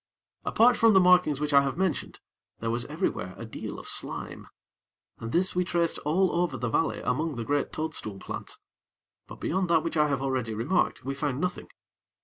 Apart from the markings which I have mentioned, there was everywhere a deal of slime, and this we traced all over the valley among the great toadstool plants; but, beyond that which I have already remarked, we found nothing.